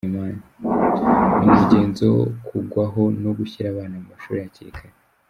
Ni umugenzo wokugwaho no gushira abana mu mashuli hakiri kare.